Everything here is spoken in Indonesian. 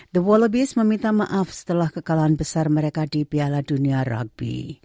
the wallabis meminta maaf setelah kekalahan besar mereka di piala dunia rugby